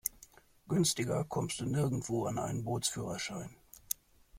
Günstiger kommst du nirgendwo an einen Bootsführerschein.